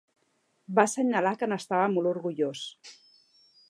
Va assenyalar que n'estava molt orgullós.